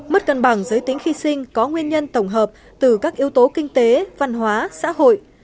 mất cân bằng giới tính khi sinh có nguyên nhân tổng hợp từ các yếu tố kinh tế văn hóa xã hội